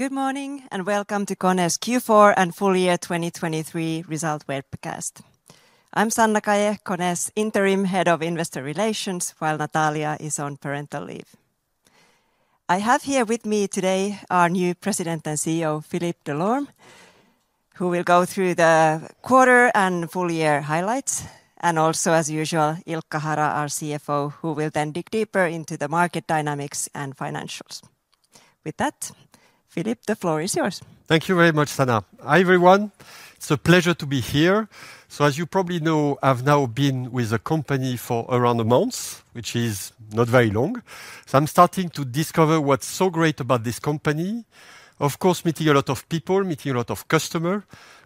Good morning and welcome to KONE's Q4 and full year 2023 Results Webcast. I'm Sanna Kaje, KONE's interim Head of Investor Relations, while Natalia is on parental leave. I have here with me today our new President and CEO, Philippe Delorme, who will go through the quarter and full year highlights, and also, as usual, Ilkka Hara, our CFO, who will then dig deeper into the market dynamics and financials. With that, Philippe, the floor is yours. Thank you very much, Sanna. Hi everyone. It's a pleasure to be here. So as you probably know, I've now been with the company for around a month, which is not very long. So I'm starting to discover what's so great about this company, of course meeting a lot of people, meeting a lot of customers,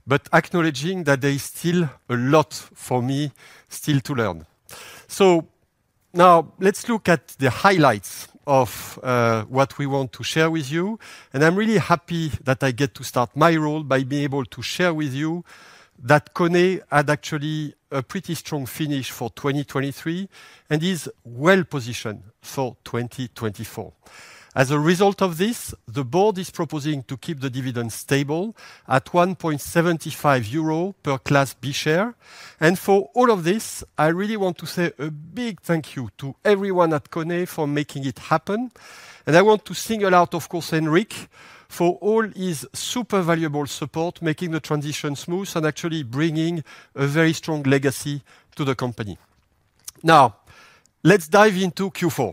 but acknowledging that there is still a lot for me still to learn. So now let's look at the highlights of what we want to share with you. And I'm really happy that I get to start my role by being able to share with you that KONE had actually a pretty strong finish for 2023 and is well positioned for 2024. As a result of this, the board is proposing to keep the dividend stable at 1.75 euro per Class B share. For all of this, I really want to say a big thank you to everyone at KONE for making it happen. I want to single out, of course, Henrik for all his super valuable support, making the transition smooth and actually bringing a very strong legacy to the company. Now, let's dive into Q4.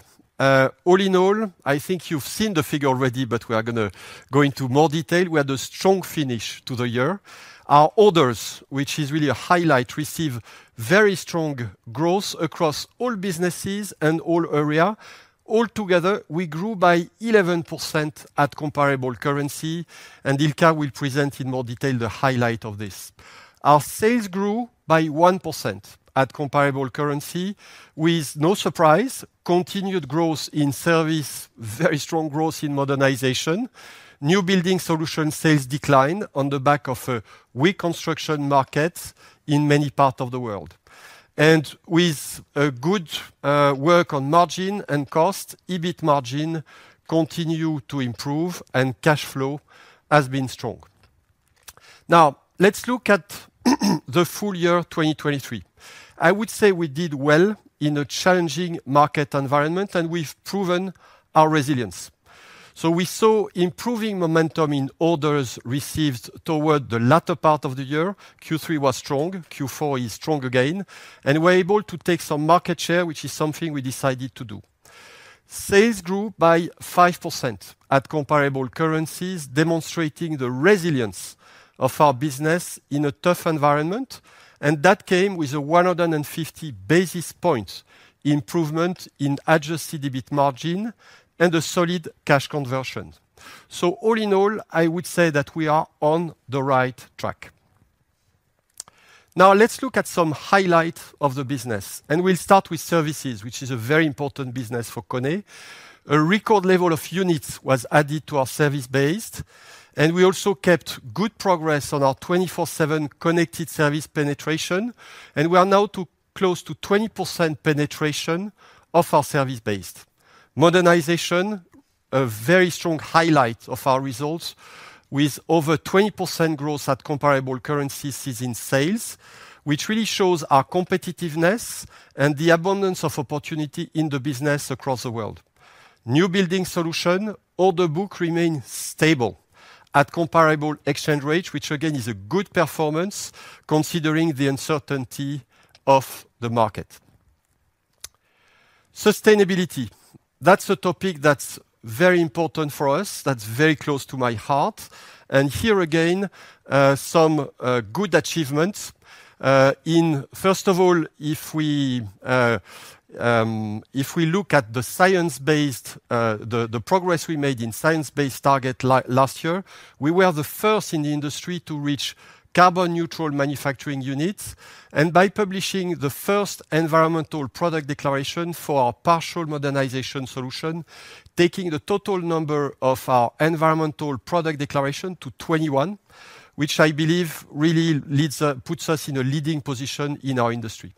All in all, I think you've seen the figure already, but we are going to go into more detail. We had a strong finish to the year. Our orders, which is really a highlight, received very strong growth across all businesses and all area. Altogether, we grew by 11% at comparable currency. And Ilkka will present in more detail the highlight of this. Our sales grew by 1% at comparable currency. With no surprise, continued growth in Service, very strong growth in Modernization, New Building Solutions sales decline on the back of a weak construction market in many parts of the world. With good work on margin and cost, EBIT margin continued to improve and cash flow has been strong. Now, let's look at the full year 2023. I would say we did well in a challenging market environment and we've proven our resilience. We saw improving momentum in orders received toward the latter part of the year. Q3 was strong. Q4 is strong again. We're able to take some market share, which is something we decided to do. Sales grew by 5% at comparable currencies, demonstrating the resilience of our business in a tough environment. That came with a 150 basis points improvement in adjusted EBIT margin and a solid cash conversion. So all in all, I would say that we are on the right track. Now, let's look at some highlights of the business. We'll start with services, which is a very important business for KONE. A record level of units was added to our service base. We also kept good progress on our 24/7 Connected Service penetration. We are now close to 20% penetration of our service base. Modernization, a very strong highlight of our results, with over 20% growth at comparable currencies in sales, which really shows our competitiveness and the abundance of opportunity in the business across the world. New Building Solutions order book remained stable at comparable exchange rate, which again is a good performance considering the uncertainty of the market. Sustainability. That's a topic that's very important for us. That's very close to my heart. Here again, some good achievements. First of all, if we look at the progress we made in science-based target last year, we were the first in the industry to reach carbon-neutral manufacturing units and by publishing the first Environmental Product Declaration for our partial modernization solution, taking the total number of our Environmental Product Declaration to 21, which I believe really puts us in a leading position in our industry.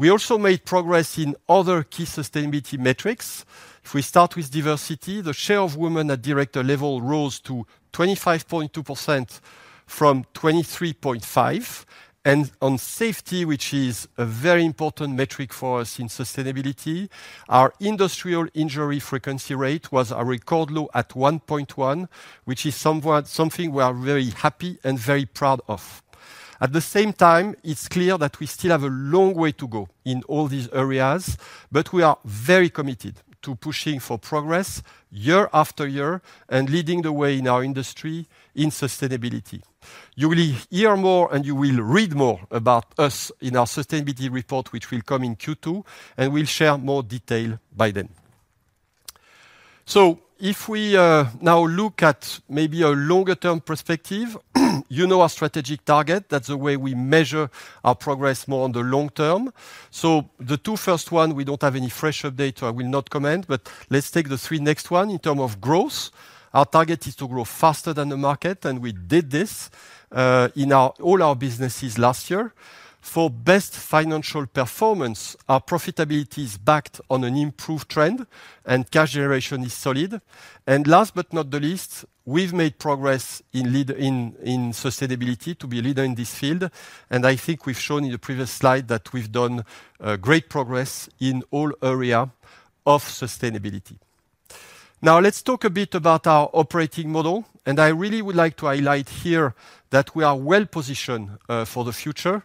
We also made progress in other key sustainability metrics. If we start with diversity, the share of women at director level rose to 25.2% from 23.5%. And on safety, which is a very important metric for us in sustainability, our industrial injury frequency rate was a record low at 1.1%, which is something we are very happy and very proud of. At the same time, it's clear that we still have a long way to go in all these areas, but we are very committed to pushing for progress year after year and leading the way in our industry in sustainability. You will hear more and you will read more about us in our sustainability report, which will come in Q2, and we'll share more detail by then. So if we now look at maybe a longer-term perspective, you know our strategic target. That's the way we measure our progress more on the long term. So the two first ones, we don't have any fresh update, so I will not comment. But let's take the three next ones. In terms of growth, our target is to grow faster than the market. And we did this in all our businesses last year. For best financial performance, our profitability is backed on an improved trend and cash generation is solid. Last but not the least, we've made progress in sustainability to be a leader in this field. I think we've shown in the previous slide that we've done great progress in all areas of sustainability. Now, let's talk a bit about our operating model. I really would like to highlight here that we are well positioned for the future.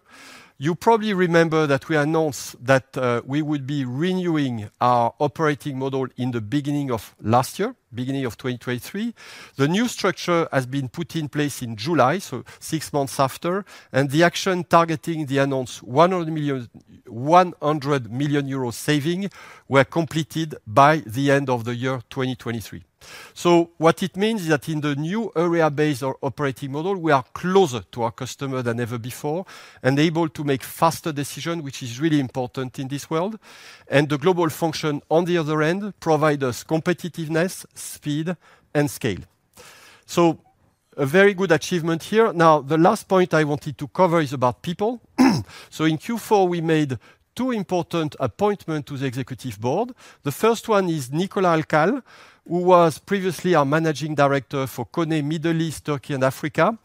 You probably remember that we announced that we would be renewing our operating model in the beginning of last year, beginning of 2023. The new structure has been put in place in July, so six months after. The action targeting the announced 100 million euros savings were completed by the end of the year 2023. So what it means is that in the new area-based operating model, we are closer to our customer than ever before and able to make faster decisions, which is really important in this world. The global function on the other end provides us competitiveness, speed, and scale. A very good achievement here. Now, the last point I wanted to cover is about people. In Q4, we made two important appointments to the executive board. The first one is Nicolas Alchal, who was previously our Managing Director for KONE Middle East, Turkey, and Africa.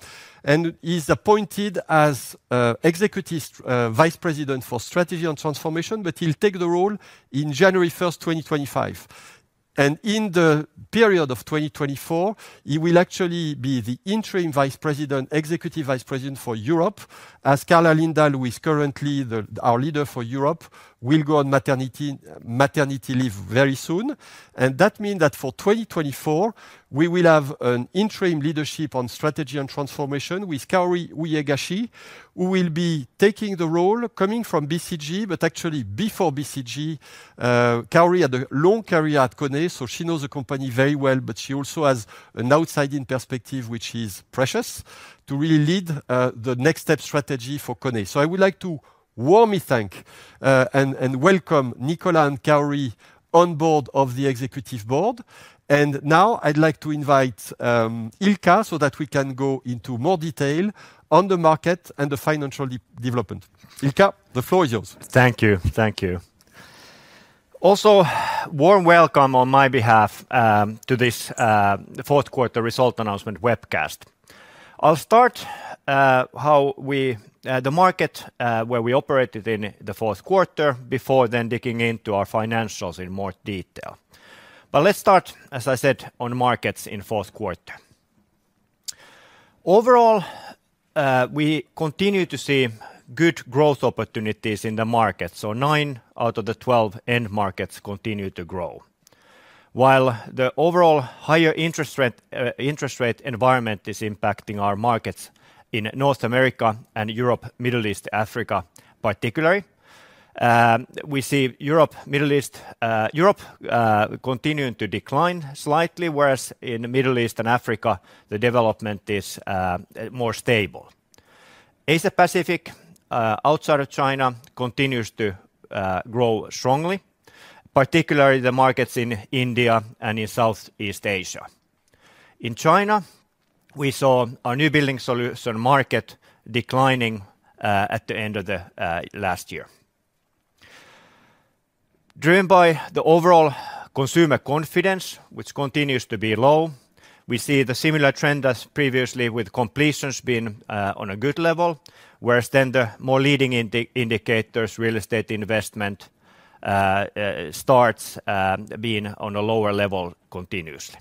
He's appointed as Executive Vice President for Strategy and Transformation, but he'll take the role on January 1st, 2025. In the period of 2024, he will actually be the interim Executive Vice President for Europe, as Karla Lindahl, who is currently our leader for Europe, will go on maternity leave very soon. That means that for 2024, we will have an interim leadership on strategy and transformation with Kaori Uehigashi, who will be taking the role, coming from BCG, but actually before BCG, Kaori had a long career at KONE. She knows the company very well, but she also has an outside-in perspective, which is precious, to really lead the next-step strategy for KONE. I would like to warmly thank and welcome Nicolas and Kaori on board of the Executive Board. Now, I'd like to invite Ilkka so that we can go into more detail on the market and the financial development. Ilkka, the floor is yours. Thank you. Thank you. Also, warm welcome on my behalf to this fourth-quarter result announcement webcast. I'll start how the market where we operated in the fourth quarter before then digging into our financials in more detail. But let's start, as I said, on markets in fourth quarter. Overall, we continue to see good growth opportunities in the markets. So 9 out of the 12 end markets continue to grow. While the overall higher interest rate environment is impacting our markets in North America and Europe, Middle East, and Africa particularly, we see Europe continuing to decline slightly, whereas in the Middle East and Africa, the development is more stable. Asia-Pacific, outside of China, continues to grow strongly, particularly the markets in India and in Southeast Asia. In China, we saw our new building solution market declining at the end of last year. Driven by the overall consumer confidence, which continues to be low, we see the similar trend as previously, with completions being on a good level, whereas then the more leading indicators, real estate investment, starts being on a lower level continuously.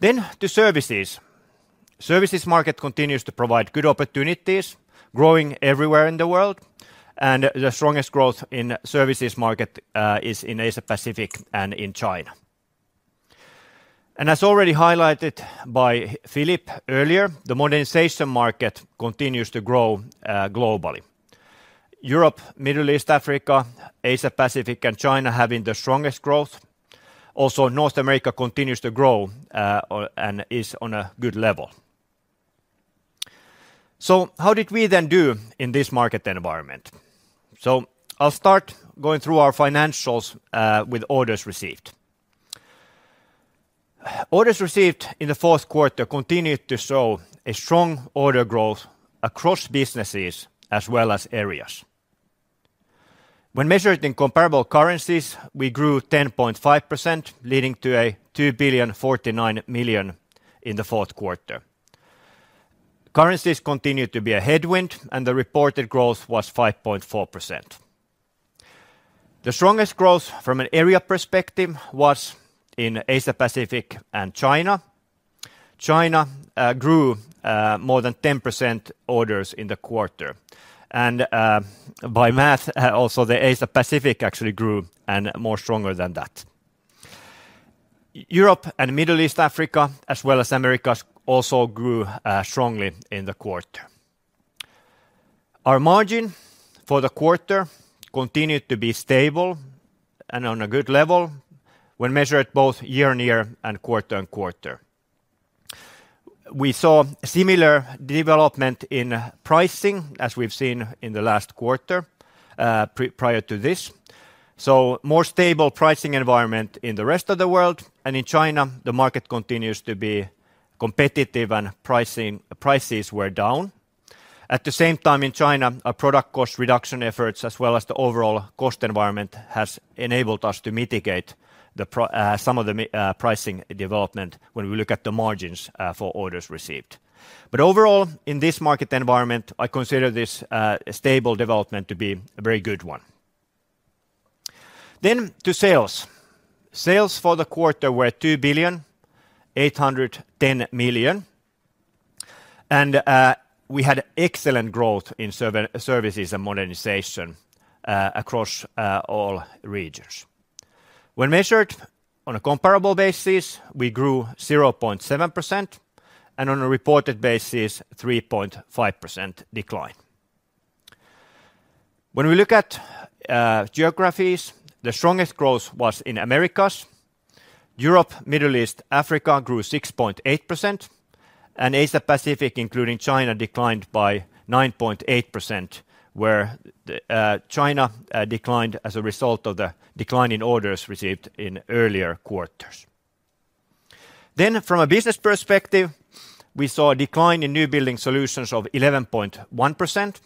Then to services. Services market continues to provide good opportunities, growing everywhere in the world. The strongest growth in the services market is in Asia-Pacific and in China. As already highlighted by Philippe earlier, the modernization market continues to grow globally. Europe, Middle East, Africa, Asia-Pacific, and China have the strongest growth. Also, North America continues to grow and is on a good level. So how did we then do in this market environment? I'll start going through our financials with orders received. Orders received in the fourth quarter continued to show a strong order growth across businesses as well as areas. When measured in comparable currencies, we grew 10.5%, leading to 2.49 billion in the fourth quarter. Currencies continued to be a headwind, and the reported growth was 5.4%. The strongest growth from an area perspective was in Asia-Pacific and China. China grew more than 10% orders in the quarter. And by math, also, the Asia-Pacific actually grew more stronger than that. Europe and Middle East, Africa, as well as America, also grew strongly in the quarter. Our margin for the quarter continued to be stable and on a good level when measured both year-on-year and quarter-on-quarter. We saw similar development in pricing as we've seen in the last quarter prior to this. So more stable pricing environment in the rest of the world. And in China, the market continues to be competitive and prices were down. At the same time, in China, our product cost reduction efforts, as well as the overall cost environment, have enabled us to mitigate some of the pricing development when we look at the margins for orders received. But overall, in this market environment, I consider this stable development to be a very good one. To sales. Sales for the quarter were 2,810 million. And we had excellent growth in services and modernization across all regions. When measured on a comparable basis, we grew 0.7% and on a reported basis, 3.5% decline. When we look at geographies, the strongest growth was in Americas. Europe, Middle East, and Africa grew 6.8%. And Asia-Pacific, including China, declined by 9.8%, where China declined as a result of the decline in orders received in earlier quarters. From a business perspective, we saw a decline in New Building Solutions of 11.1%.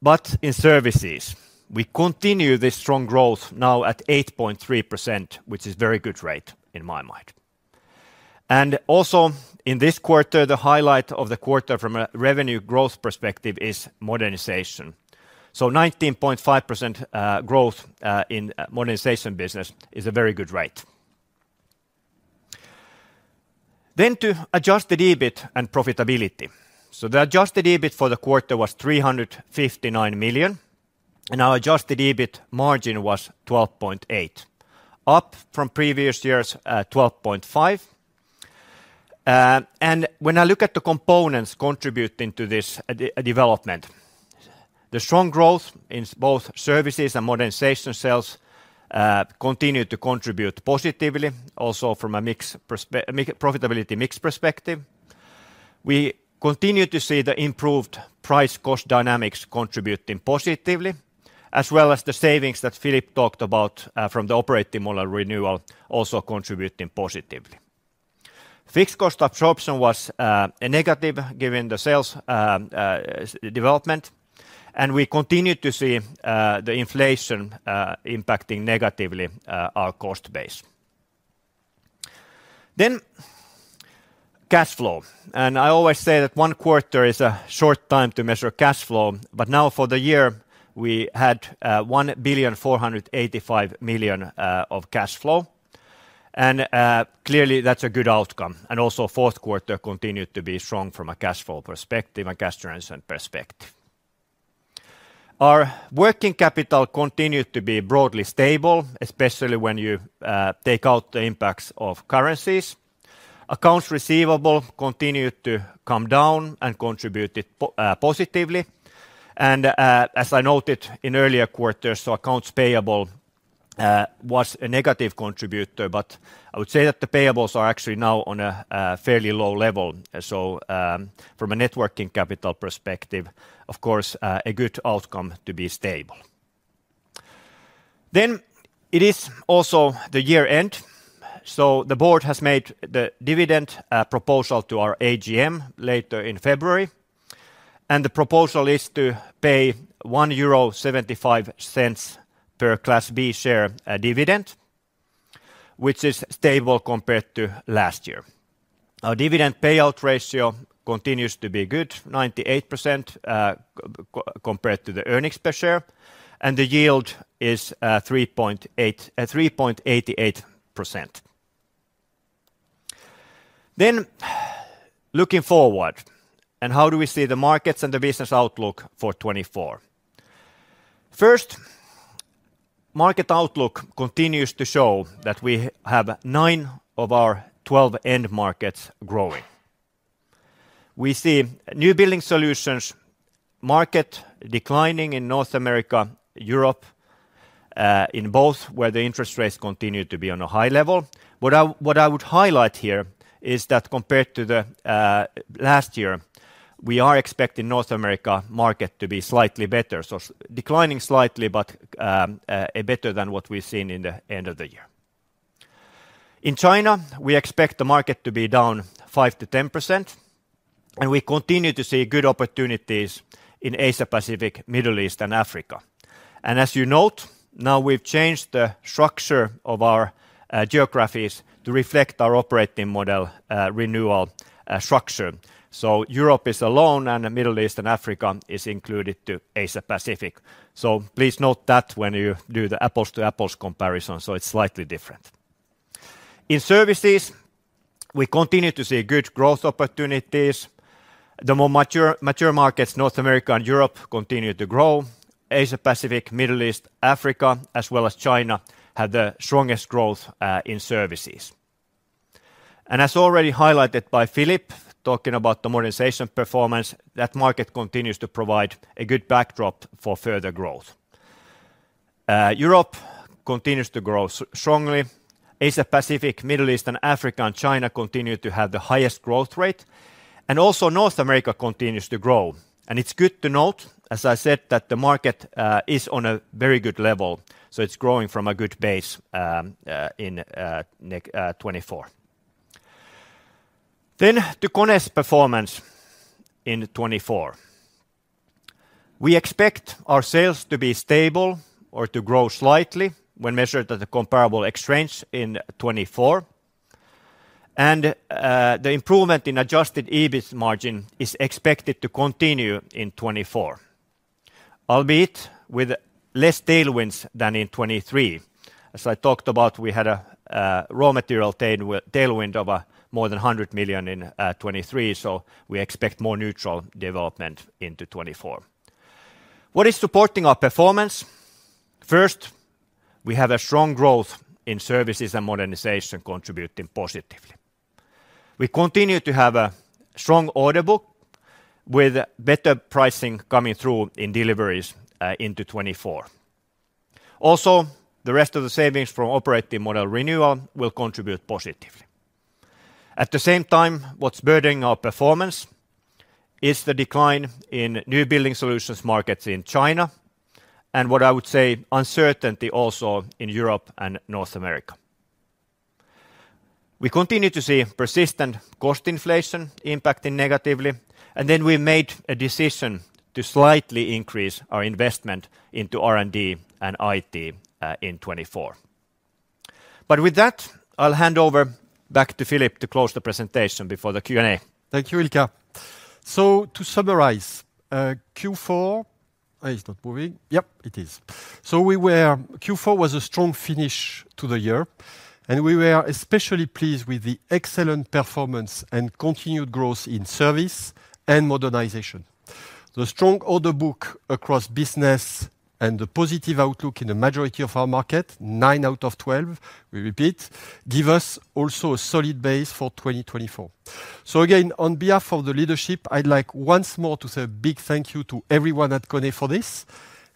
But in services, we continue this strong growth now at 8.3%, which is a very good rate in my mind. Also, in this quarter, the highlight of the quarter from a revenue growth perspective is modernization. 19.5% growth in modernization business is a very good rate. To Adjusted EBIT and profitability. The Adjusted EBIT for the quarter was 359 million. Our Adjusted EBIT margin was 12.8%, up from previous year's 12.5%. When I look at the components contributing to this development, the strong growth in both services and modernization sales continued to contribute positively, also from a profitability mix perspective. We continue to see the improved price-cost dynamics contributing positively, as well as the savings that Philippe talked about from the operating model renewal also contributing positively. Fixed cost absorption was negative given the sales development. We continue to see the inflation impacting negatively our cost base. Then cash flow. I always say that one quarter is a short time to measure cash flow. But now for the year, we had 1.485 million of cash flow. Clearly, that's a good outcome. Also, fourth quarter continued to be strong from a cash flow perspective, a cash transfer perspective. Our working capital continued to be broadly stable, especially when you take out the impacts of currencies. Accounts receivable continued to come down and contributed positively. As I noted in earlier quarters, so accounts payable was a negative contributor. But I would say that the payables are actually now on a fairly low level. From a net working capital perspective, of course, a good outcome to be stable. It is also the year-end. The board has made the dividend proposal to our AGM later in February. The proposal is to pay 1.75 euro per Class B share dividend, which is stable compared to last year. Our dividend payout ratio continues to be good, 98% compared to the earnings per share. The yield is 3.88%. Looking forward, how do we see the markets and the business outlook for 2024? First, market outlook continues to show that we have nine of our 12 end markets growing. We see New Building Solutions market declining in North America, Europe, in both where the interest rates continue to be on a high level. What I would highlight here is that compared to last year, we are expecting North America market to be slightly better, so declining slightly, but better than what we've seen in the end of the year. In China, we expect the market to be down 5%-10%. We continue to see good opportunities in Asia-Pacific, Middle East, and Africa. As you note, now we've changed the structure of our geographies to reflect our operating model renewal structure. Europe is alone, and the Middle East and Africa are included in Asia-Pacific. Please note that when you do the apples-to-apples comparison, so it's slightly different. In services, we continue to see good growth opportunities. The more mature markets, North America and Europe, continue to grow. Asia-Pacific, Middle East, Africa, as well as China, have the strongest growth in services. As already highlighted by Philippe, talking about the modernization performance, that market continues to provide a good backdrop for further growth. Europe continues to grow strongly. Asia-Pacific, Middle East, and Africa and China continue to have the highest growth rate. Also, North America continues to grow. It's good to note, as I said, that the market is on a very good level. It's growing from a good base in 2024. To KONE's performance in 2024. We expect our sales to be stable or to grow slightly when measured at the comparable exchange in 2024. The improvement in adjusted EBIT margin is expected to continue in 2024, albeit with less tailwinds than in 2023. As I talked about, we had a raw material tailwind of more than 100 million in 2023. We expect more neutral development into 2024. What is supporting our performance? First, we have a strong growth in services and modernization contributing positively. We continue to have a strong order book with better pricing coming through in deliveries into 2024. Also, the rest of the savings from operating model renewal will contribute positively. At the same time, what's burdening our performance is the decline in new building solutions markets in China and what I would say uncertainty also in Europe and North America. We continue to see persistent cost inflation impacting negatively. And then we made a decision to slightly increase our investment into R&D and IT in 2024. But with that, I'll hand over back to Philippe to close the presentation before the Q&A. Thank you, Ilkka. So to summarize, Q4... Hey, it's not moving. Yep, it is. So we were... Q4 was a strong finish to the year. And we were especially pleased with the excellent performance and continued growth in service and modernization. The strong order book across business and the positive outlook in the majority of our market, nine out of 12, we repeat, gave us also a solid base for 2024. So again, on behalf of the leadership, I'd like once more to say a big thank you to everyone at KONE for this.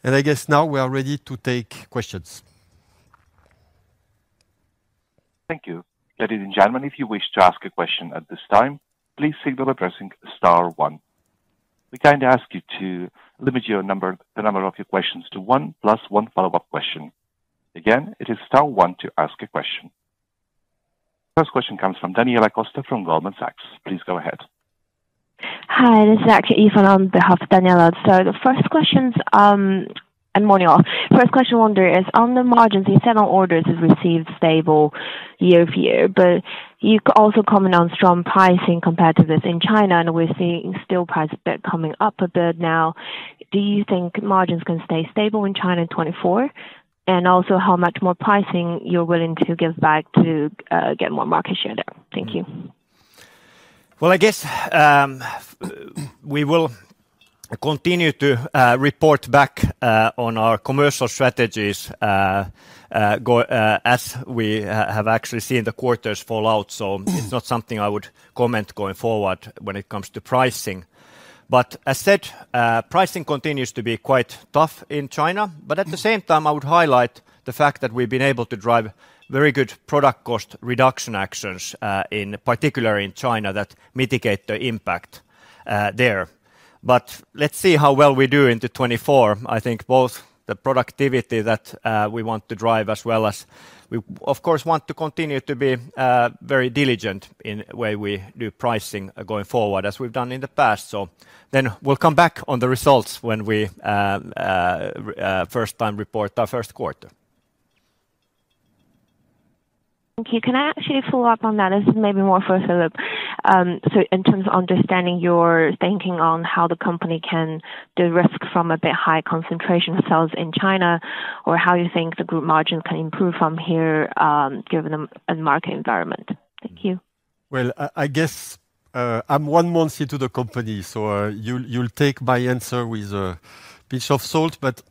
And I guess now we are ready to take questions. Thank you. Ladies and gentlemen, if you wish to ask a question at this time, please signal the pressing star one. We kindly ask you to limit the number of your questions to one plus one follow-up question. Again, it is star one to ask a question. First question comes from Daniela Costa from Goldman Sachs. Please go ahead. Hi. This is Axel Hoehren on behalf of Daniela. So the first questions... And, morning, all. First question I wonder is, on the margins, you said our orders have received stable year-over-year. But you also comment on strong pricing compared to this in China. And we're seeing still price a bit coming up a bit now. Do you think margins can stay stable in China in 2024? And also, how much more pricing you're willing to give back to get more market share there? Thank you. Well, I guess we will continue to report back on our commercial strategies as we have actually seen the quarters fall out. So it's not something I would comment going forward when it comes to pricing. But as said, pricing continues to be quite tough in China. But at the same time, I would highlight the fact that we've been able to drive very good product cost reduction actions, particularly in China, that mitigate the impact there. But let's see how well we do into 2024. I think both the productivity that we want to drive as well as we, of course, want to continue to be very diligent in the way we do pricing going forward, as we've done in the past. So then we'll come back on the results when we first time report our first quarter. Thank you. Can I actually follow up on that? This is maybe more for Philippe. So in terms of understanding your thinking on how the company can derisk from a bit high concentration of sales in China or how you think the group margins can improve from here given the market environment? Thank you. Well, I guess I'm one month into the company. So you'll take my answer with a pinch of salt. But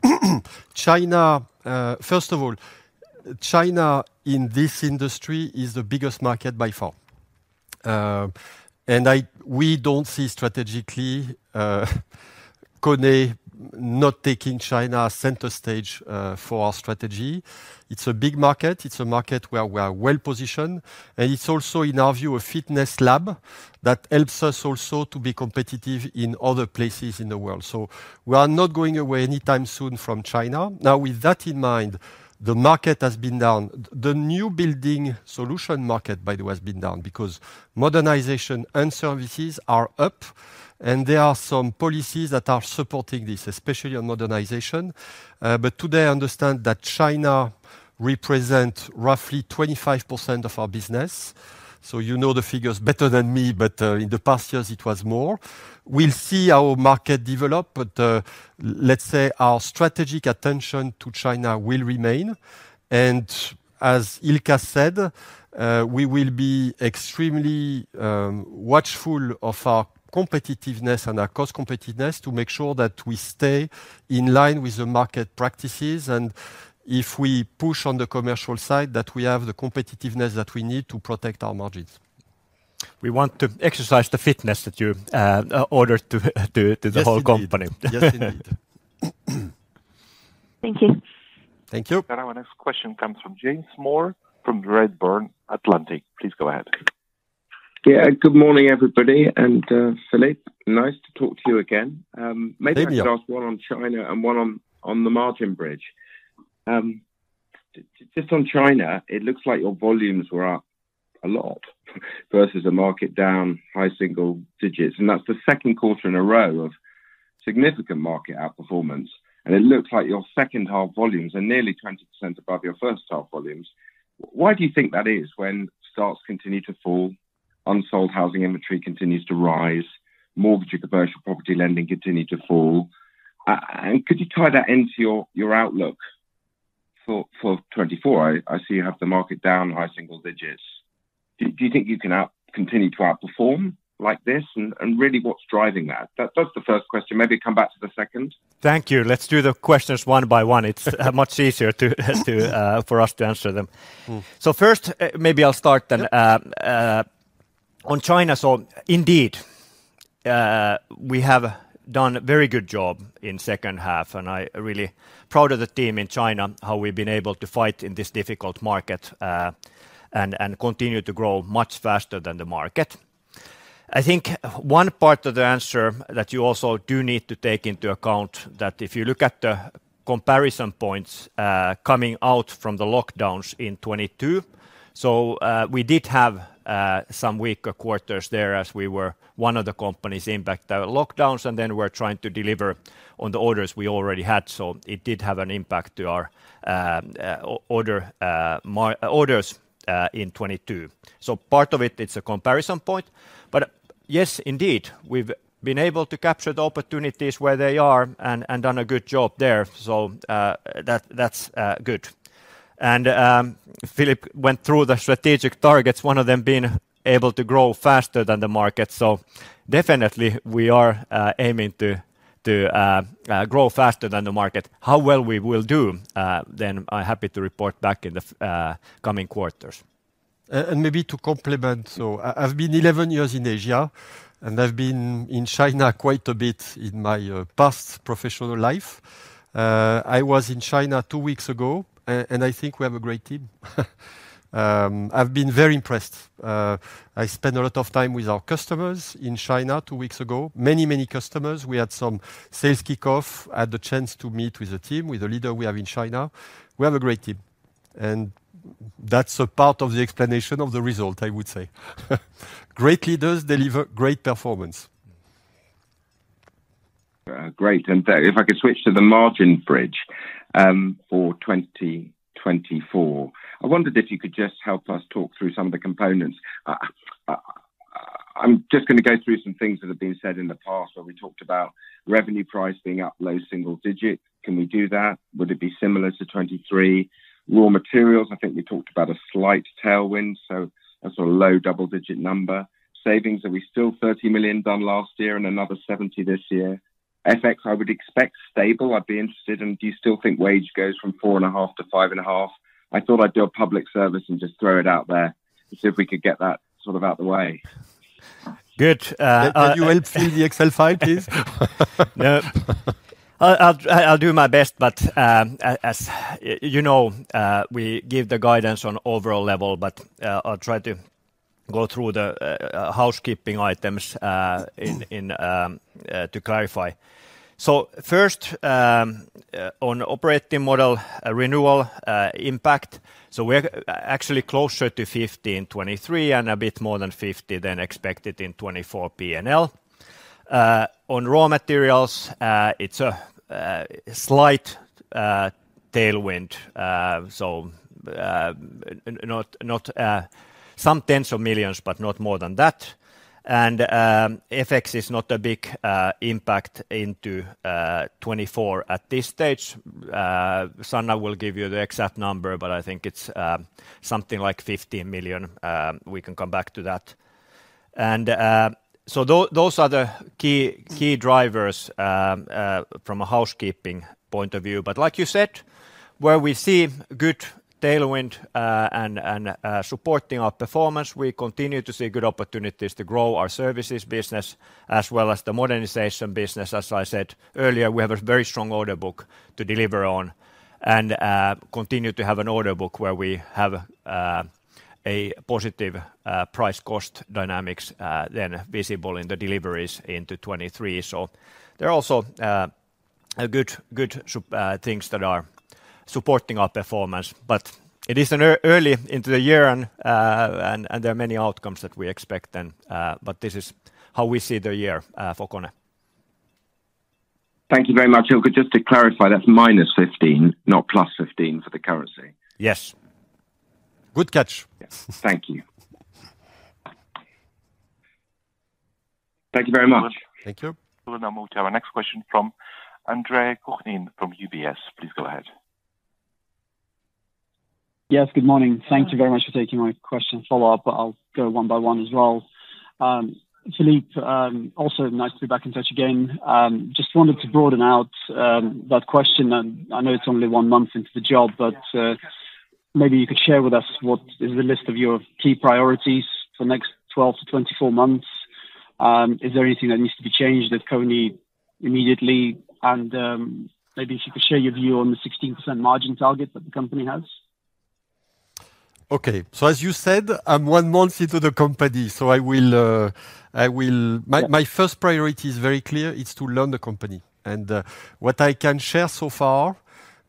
China, first of all, China in this industry is the biggest market by far. And we don't see strategically KONE not taking China center stage for our strategy. It's a big market. It's a market where we are well positioned. And it's also, in our view, a fitness lab that helps us also to be competitive in other places in the world. So we are not going away anytime soon from China. Now, with that in mind, the market has been down. The New Building Solutions market, by the way, has been down because Modernization and Services are up. And there are some policies that are supporting this, especially on Modernization. But today, I understand that China represents roughly 25% of our business. So you know the figures better than me. But in the past years, it was more. We'll see our market develop. But let's say our strategic attention to China will remain. And as Ilkka said, we will be extremely watchful of our competitiveness and our cost competitiveness to make sure that we stay in line with the market practices. And if we push on the commercial side, that we have the competitiveness that we need to protect our margins. We want to exercise the fitness that you ordered to the whole company. Yes, indeed. Thank you. Thank you. Now, our next question comes from James Moore from Redburn Atlantic. Please go ahead. Yeah. Good morning, everybody. And Philippe, nice to talk to you again. Maybe I could ask one on China and one on the margin bridge. Just on China, it looks like your volumes were up a lot versus a market down, high single digits. And that's the second quarter in a row of significant market outperformance. And it looks like your second half volumes are nearly 20% above your first half volumes. Why do you think that is when stocks continue to fall, unsold housing inventory continues to rise, mortgage and commercial property lending continue to fall? And could you tie that into your outlook for 2024? I see you have the market down, high single digits. Do you think you can continue to outperform like this? And really, what's driving that? That's the first question. Maybe come back to the second. Thank you. Let's do the questions one by one. It's much easier for us to answer them. So first, maybe I'll start then. On China, so indeed, we have done a very good job in the second half. And I'm really proud of the team in China, how we've been able to fight in this difficult market and continue to grow much faster than the market. I think one part of the answer that you also do need to take into account is that if you look at the comparison points coming out from the lockdowns in 2022, so we did have some weaker quarters there as we were one of the companies impacted by the lockdowns. And then we were trying to deliver on the orders we already had. So it did have an impact on our orders in 2022. So part of it, it's a comparison point. Yes, indeed, we've been able to capture the opportunities where they are and done a good job there. That's good. Philippe went through the strategic targets, one of them being able to grow faster than the market. Definitely, we are aiming to grow faster than the market. How well we will do, then I'm happy to report back in the coming quarters. Maybe to complement, so I've been 11 years in Asia. I've been in China quite a bit in my past professional life. I was in China two weeks ago. I think we have a great team. I've been very impressed. I spent a lot of time with our customers in China two weeks ago, many, many customers. We had some sales kickoff. I had the chance to meet with the team, with the leader we have in China. We have a great team. That's a part of the explanation of the result, I would say. Great leaders deliver great performance. Great. If I could switch to the margin bridge for 2024, I wondered if you could just help us talk through some of the components. I'm just going to go through some things that have been said in the past where we talked about revenue price being up low single-digit. Can we do that? Would it be similar to 2023? Raw materials, I think we talked about a slight tailwind. So a sort of low double-digit number. Savings, are we still 30 million done last year and another 70 million this year? FX, I would expect stable. I'd be interested. And do you still think wage goes from 4.5%-5.5%? I thought I'd do a public service and just throw it out there to see if we could get that sort of out the way. Good. Could you help fill the Excel file, please? Nope. I'll do my best. But as you know, we give the guidance on an overall level. But I'll try to go through the housekeeping items to clarify. So first, on operating model renewal impact, so we're actually closer to 50 million in 2023 and a bit more than 50 million than expected in 2024 P&L. On raw materials, it's a slight tailwind. So some tens of millions EUR, but not more than that. And FX is not a big impact into 2024 at this stage. Sanna will give you the exact number. But I think it's something like 50 million. We can come back to that. And so those are the key drivers from a housekeeping point of view. But like you said, where we see good tailwind and supporting our performance, we continue to see good opportunities to grow our services business as well as the modernization business. As I said earlier, we have a very strong order book to deliver on and continue to have an order book where we have a positive price-cost dynamics then visible in the deliveries into 2023. So there are also good things that are supporting our performance. But it is early into the year. And there are many outcomes that we expect then. But this is how we see the year for KONE. Thank you very much. Ilkka, just to clarify, that's -15, not +15 for the currency. Yes. Good catch. Yes. Thank you. Thank you very much. Thank you. I'll move to our next question from André Kukhnin from UBS. Please go ahead. Yes. Good morning. Thank you very much for taking my question follow-up. But I'll go one by one as well. Philippe, also nice to be back in touch again. Just wanted to broaden out that question. I know it's only one month into the job. But maybe you could share with us what is the list of your key priorities for the next 12-24 months? Is there anything that needs to be changed at KONE immediately? And maybe if you could share your view on the 16% margin target that the company has. Okay. So as you said, I'm one month into the company. So my first priority is very clear. It's to learn the company. And what I can share so far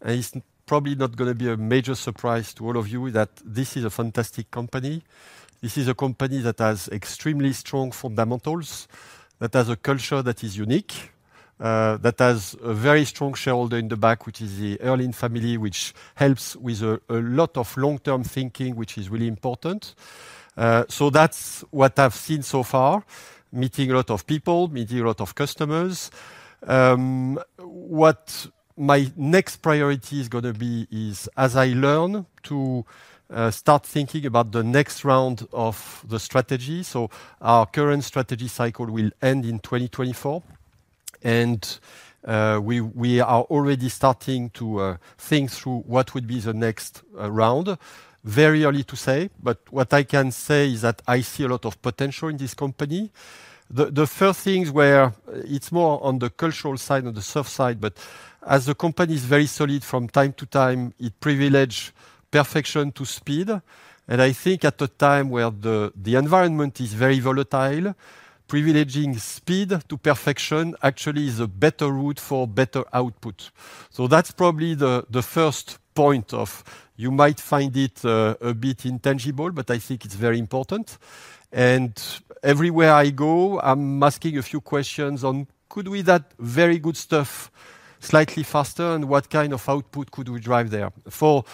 is probably not going to be a major surprise to all of you, is that this is a fantastic company. This is a company that has extremely strong fundamentals, that has a culture that is unique, that has a very strong shareholder in the back, which is the Herlin family, which helps with a lot of long-term thinking, which is really important. So that's what I've seen so far, meeting a lot of people, meeting a lot of customers. What my next priority is going to be is, as I learn, to start thinking about the next round of the strategy. So our current strategy cycle will end in 2024. We are already starting to think through what would be the next round. Very early to say. But what I can say is that I see a lot of potential in this company. The first things where it's more on the cultural side, on the soft side. But as the company is very solid, from time to time, it privileged perfection to speed. And I think at a time where the environment is very volatile, privileging speed to perfection actually is a better route for better output. So that's probably the first point, but you might find it a bit intangible. But I think it's very important. And everywhere I go, I'm asking a few questions on, could we do that very good stuff slightly faster? And what kind of output could we drive there? For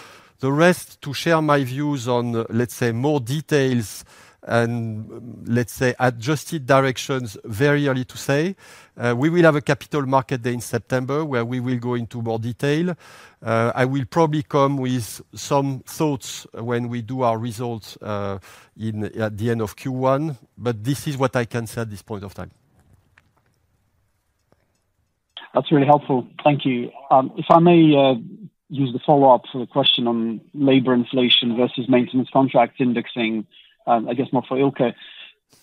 the rest, to share my views on, let's say, more details and, let's say, adjusted directions, very early to say, we will have a Capital Markets Day in September where we will go into more detail. I will probably come with some thoughts when we do our results at the end of Q1. But this is what I can say at this point of time. That's really helpful. Thank you. If I may use the follow-up for the question on labor inflation versus maintenance contract indexing, I guess more for Ilkka,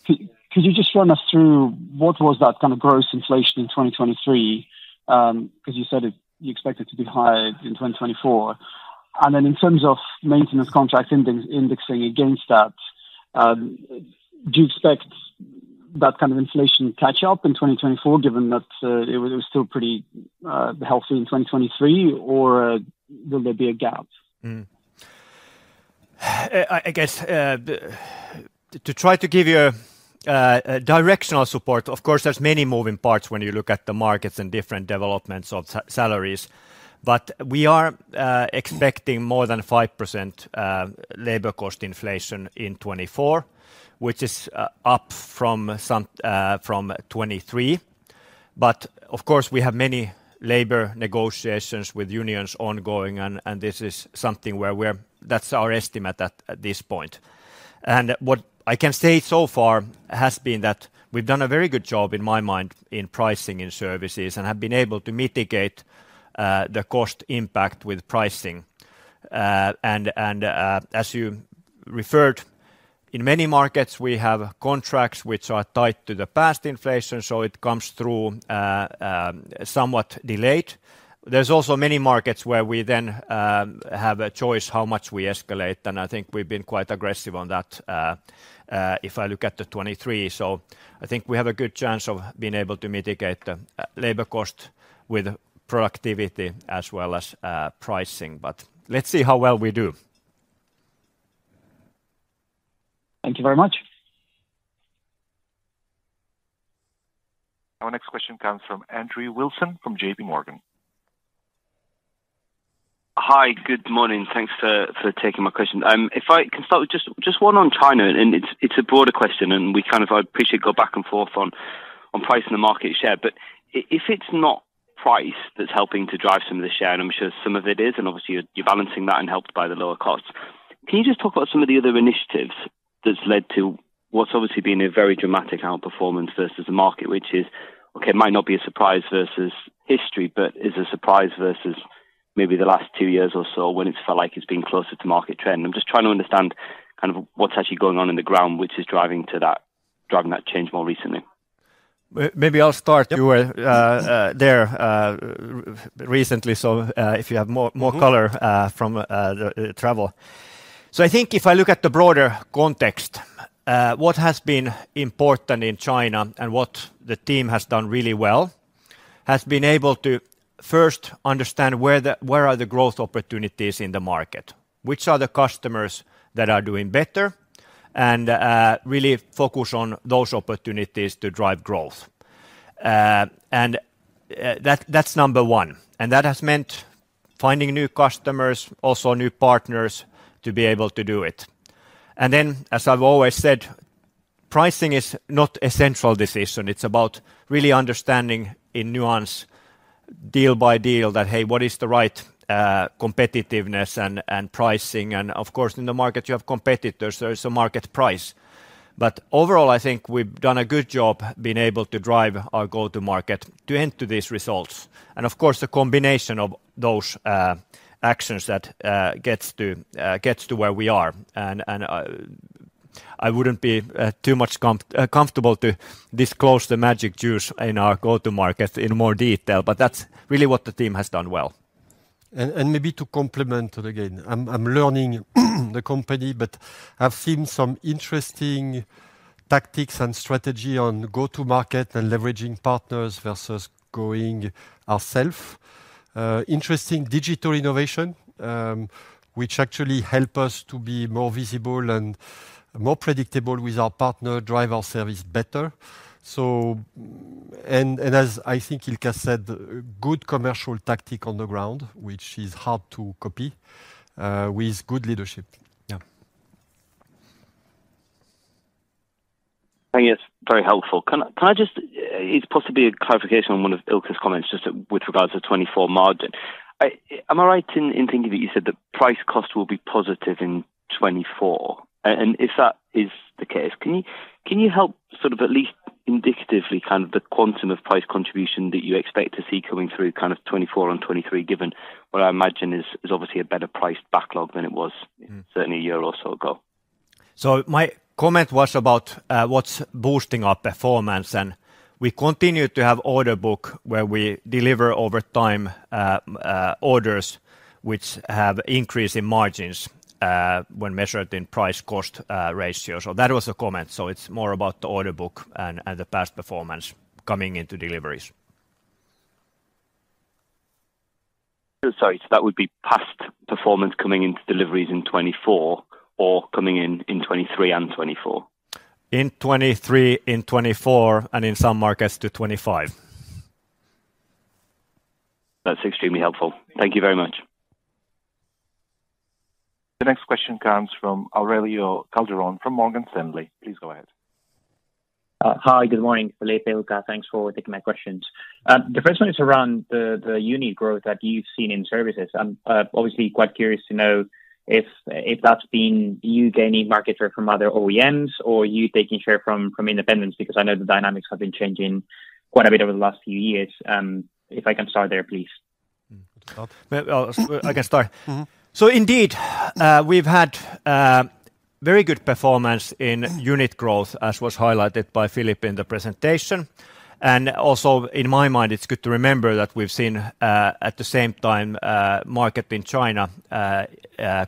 could you just run us through what was that kind of gross inflation in 2023? Because you said you expected it to be high in 2024. And then in terms of maintenance contract indexing against that, do you expect that kind of inflation to catch up in 2024, given that it was still pretty healthy in 2023? Or will there be a gap? I guess to try to give you a directional support, of course, there's many moving parts when you look at the markets and different developments of salaries. But we are expecting more than 5% labor cost inflation in 2024, which is up from 2023. But of course, we have many labor negotiations with unions ongoing. And this is something where that's our estimate at this point. And what I can say so far has been that we've done a very good job, in my mind, in pricing in services and have been able to mitigate the cost impact with pricing. And as you referred, in many markets, we have contracts which are tied to the past inflation. So it comes through somewhat delayed. There's also many markets where we then have a choice how much we escalate. I think we've been quite aggressive on that, if I look at the 2023. I think we have a good chance of being able to mitigate the labor cost with productivity as well as pricing. Let's see how well we do. Thank you very much. Our next question comes from Andrew Wilson from JP Morgan. Hi. Good morning. Thanks for taking my question. If I can start with just one on China. It's a broader question. We kind of appreciate going back and forth on price and the market share. But if it's not price that's helping to drive some of the share and I'm sure some of it is. And obviously, you're balancing that and helped by the lower costs, can you just talk about some of the other initiatives that's led to what's obviously been a very dramatic outperformance versus the market, which is, okay, might not be a surprise versus history, but is a surprise versus maybe the last two years or so when it's felt like it's been closer to market trend? I'm just trying to understand kind of what's actually going on in the ground, which is driving that change more recently. Maybe I'll start. You were there recently. So if you have more color from travel. So I think if I look at the broader context, what has been important in China and what the team has done really well has been able to first understand where are the growth opportunities in the market, which are the customers that are doing better, and really focus on those opportunities to drive growth. And that's number one. And that has meant finding new customers, also new partners to be able to do it. And then, as I've always said, pricing is not a central decision. It's about really understanding in nuance, deal by deal, that, hey, what is the right competitiveness and pricing? And of course, in the market, you have competitors. There is a market price. Overall, I think we've done a good job being able to drive our go-to market to end to these results. Of course, the combination of those actions that gets to where we are. I wouldn't be too much comfortable to disclose the magic juice in our go-to market in more detail. But that's really what the team has done well. Maybe to complement it again, I'm learning the company. But I've seen some interesting tactics and strategy on go-to market and leveraging partners versus going ourselves, interesting digital innovation, which actually help us to be more visible and more predictable with our partner, drive our service better. And as I think Ilkka said, good commercial tactic on the ground, which is hard to copy with good leadership. Yeah. I think it's very helpful. Can I just it's possibly a clarification on one of Ilkka's comments just with regards to 2024 margin. Am I right in thinking that you said that price-cost will be positive in 2024? And if that is the case, can you help sort of at least indicatively kind of the quantum of price contribution that you expect to see coming through kind of 2024 and 2023, given what I imagine is obviously a better priced backlog than it was certainly a year or so ago? My comment was about what's boosting our performance. We continue to have order book where we deliver over time orders which have increasing margins when measured in price-cost ratio. That was the comment. It's more about the order book and the past performance coming into deliveries. Sorry. So that would be past performance coming into deliveries in 2024 or coming in 2023 and 2024? In 2023, in 2024, and in some markets to 2025. That's extremely helpful. Thank you very much. The next question comes from Aurelio Calderón from Morgan Stanley. Please go ahead. Hi. Good morning, Philippe. Ilkka, thanks for taking my questions. The first one is around the unit growth that you've seen in services. I'm obviously quite curious to know if that's been you gaining market share from other OEMs or you taking share from independents because I know the dynamics have been changing quite a bit over the last few years. If I can start there, please. I can start. Indeed, we've had very good performance in unit growth, as was highlighted by Philippe in the presentation. Also in my mind, it's good to remember that we've seen at the same time market in China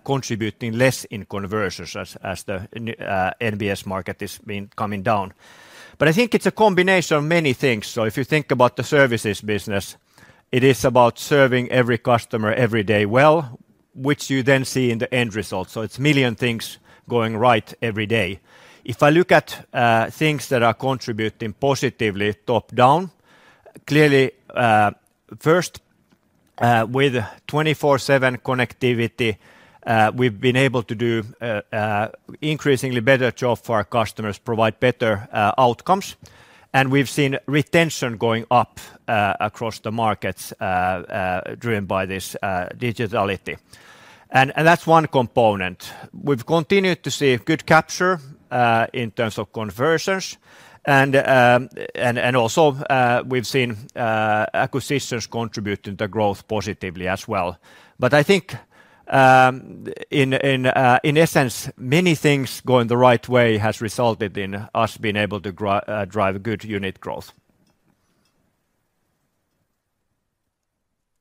contributing less in conversions as the NBS market has been coming down. I think it's a combination of many things. If you think about the services business, it is about serving every customer every day well, which you then see in the end result. It's million things going right every day. If I look at things that are contributing positively top down, clearly, first, with 24/7 connectivity, we've been able to do an increasingly better job for our customers, provide better outcomes. We've seen retention going up across the markets driven by this digitality. That's one component. We've continued to see good capture in terms of conversions. Also, we've seen acquisitions contributing to growth positively as well. I think, in essence, many things going the right way have resulted in us being able to drive good unit growth.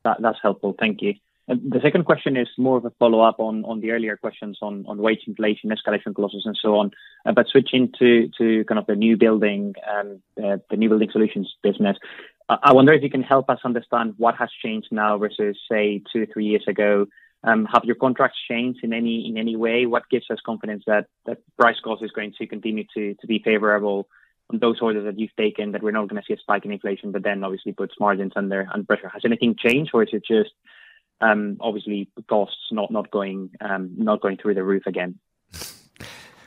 That's helpful. Thank you. The second question is more of a follow-up on the earlier questions on wage inflation, escalation clauses, and so on. But switching to kind of the New Building and the New Building Solutions business, I wonder if you can help us understand what has changed now versus, say, two, three years ago. Have your contracts changed in any way? What gives us confidence that price cost is going to continue to be favorable on those orders that you've taken, that we're not going to see a spike in inflation but then obviously puts margins under pressure? Has anything changed? Or is it just obviously costs not going through the roof again?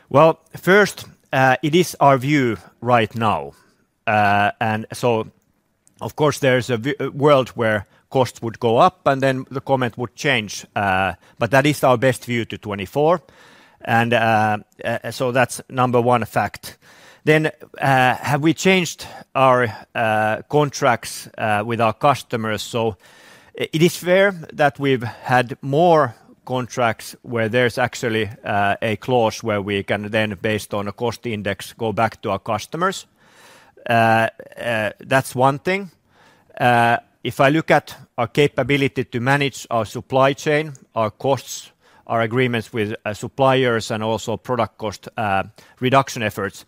Well, first, it is our view right now. And so of course, there's a world where costs would go up. And then the comment would change. But that is our best view to 2024. And so that's number one fact. Then have we changed our contracts with our customers? So it is fair that we've had more contracts where there's actually a clause where we can then, based on a cost index, go back to our customers. That's one thing. If I look at our capability to manage our supply chain, our costs, our agreements with suppliers, and also product cost reduction efforts,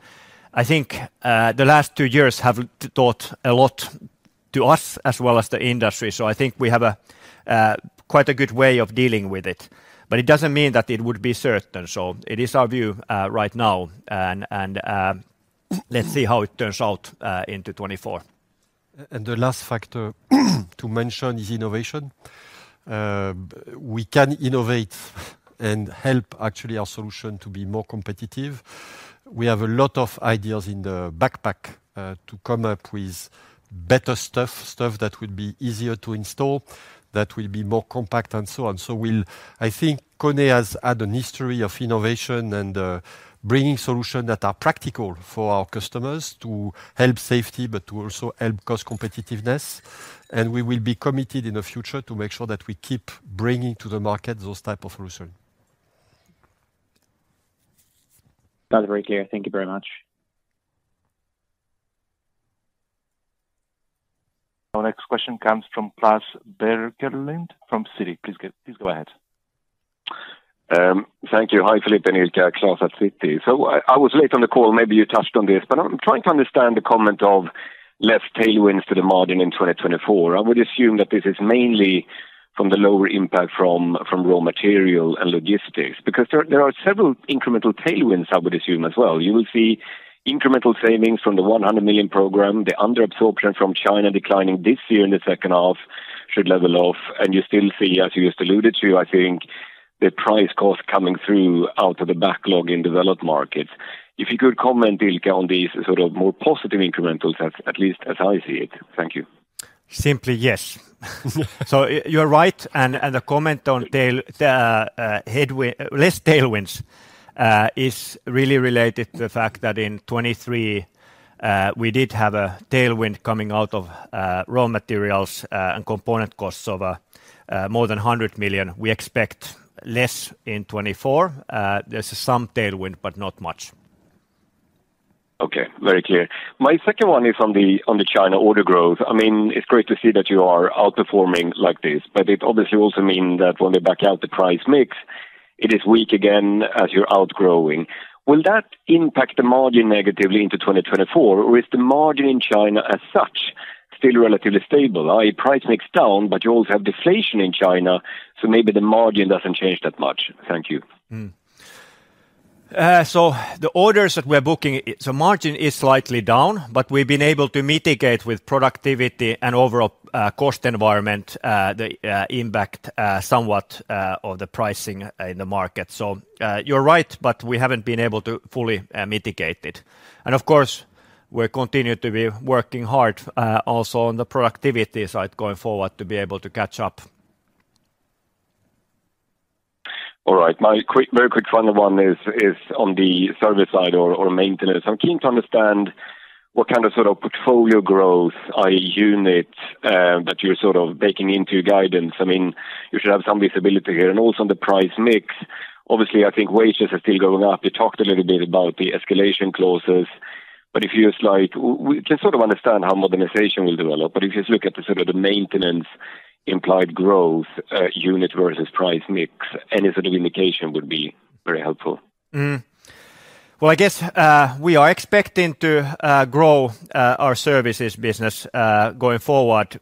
I think the last two years have taught a lot to us as well as the industry. So I think we have quite a good way of dealing with it. But it doesn't mean that it would be certain. So it is our view right now. Let's see how it turns out into 2024. The last factor to mention is innovation. We can innovate and help actually our solution to be more competitive. We have a lot of ideas in the backpack to come up with better stuff, stuff that would be easier to install, that will be more compact, and so on. So I think KONE has had a history of innovation and bringing solutions that are practical for our customers to help safety but to also help cost competitiveness. And we will be committed in the future to make sure that we keep bringing to the market those types of solutions. That's very clear. Thank you very much. Our next question comes from Klas Bergelind from Citi. Please go ahead. Thank you. Hi, Philippe. And Ilkka, Klas at Citi. So I was late on the call. Maybe you touched on this. But I'm trying to understand the comment of less tailwinds to the margin in 2024. I would assume that this is mainly from the lower impact from raw material and logistics because there are several incremental tailwinds, I would assume, as well. You will see incremental savings from the 100 million program, the underabsorption from China declining this year in the second half should level off. And you still see, as you just alluded to, I think, the price cost coming through out of the backlog in developed markets. If you could comment, Ilkka, on these sort of more positive incrementals, at least as I see it. Thank you. Simply, yes. So you are right. The comment on less tailwinds is really related to the fact that in 2023, we did have a tailwind coming out of raw materials and component costs of more than 100 million. We expect less in 2024. There's some tailwind but not much. Okay. Very clear. My second one is on the China order growth. I mean, it's great to see that you are outperforming like this. But it obviously also means that when they back out the price mix, it is weak again as you're outgrowing. Will that impact the margin negatively into 2024? Or is the margin in China as such still relatively stable? I mean, price mix down. But you also have deflation in China. So maybe the margin doesn't change that much. Thank you. So the orders that we are booking, margin is slightly down. But we've been able to mitigate with productivity and overall cost environment the impact somewhat of the pricing in the market. So you're right. But we haven't been able to fully mitigate it. And of course, we continue to be working hard also on the productivity side going forward to be able to catch up. All right. My very quick final one is on the service side or maintenance. I'm keen to understand what kind of sort of portfolio growth, i.e., units that you're sort of baking into guidance. I mean, you should have some visibility here. And also on the price mix, obviously, I think wages are still going up. You talked a little bit about the escalation clauses. But if you just like we can sort of understand how modernization will develop. But if you just look at the sort of the maintenance-implied growth, unit versus price mix, any sort of indication would be very helpful. Well, I guess we are expecting to grow our services business going forward,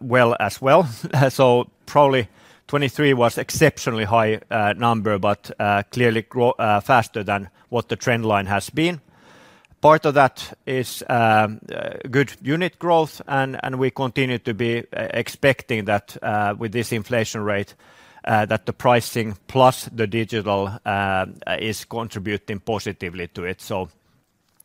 well, as well. So probably 2023 was an exceptionally high number but clearly faster than what the trend line has been. Part of that is good unit growth. And we continue to be expecting that with this inflation rate, that the pricing plus the digital is contributing positively to it. So